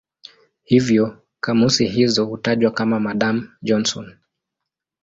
Hivyo kamusi hizo hutajwa kama "Madan-Johnson".